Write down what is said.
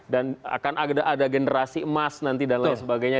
dan akan ada generasi emas nanti dan lain sebagainya